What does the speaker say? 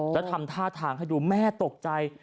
แล้วทำท่าทางให้ดูแม่ตกใจ